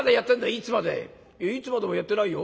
「いつまでもやってないよ。